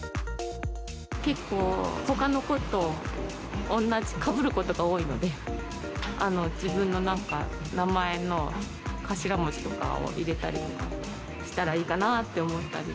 結構ほかの子と同じ、かぶることが多いので、自分の、なんか名前の頭文字とかを入れたりとかしたらいいかなとかって思ったり。